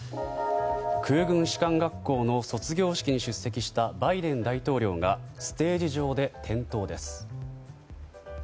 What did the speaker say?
空軍士官学校の卒業式に出席したバイデン大統領がステージ上で転倒です。